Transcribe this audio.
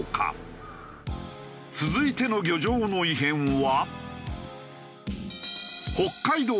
続いての漁場の異変は。